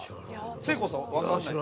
せいこうさん分からないですか？